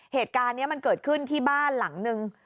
เหตุการณ์นี้มันเกิดขึ้นที่บ้านหลังนึง